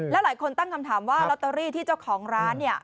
แล้วหลายคนตั้งคำถามว่าลอตเตอรี่ที่เจ้าของร้านเนี่ย